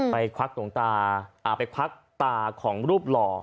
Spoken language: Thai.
ควักหลวงตาไปควักตาของรูปหล่อ